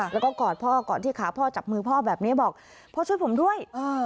แล้วก็กอดพ่อกอดที่ขาพ่อจับมือพ่อแบบนี้บอกพ่อช่วยผมด้วย